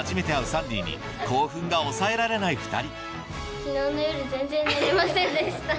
サンディに興奮が抑えられない２人